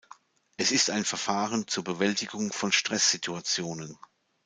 Es ist ein Verfahren zur Bewältigung von Stresssituationen.